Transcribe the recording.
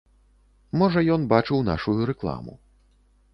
Можа ён бачыў нашую рэкламу.